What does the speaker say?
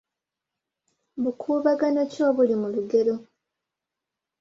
Bukuubagano ki obuli mu lugero?